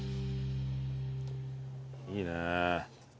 いいね。